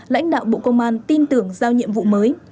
lãnh đạo bộ công an tin tưởng giao nhiệm vụ mới